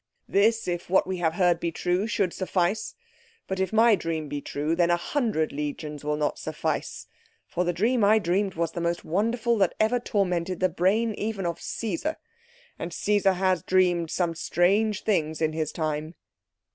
This, if what we have heard be true, should suffice. But if my dream be true, then a hundred legions will not suffice. For the dream I dreamed was the most wonderful that ever tormented the brain even of Caesar. And Caesar has dreamed some strange things in his time."